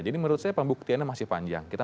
jadi menurut saya pembuktiannya masih panjang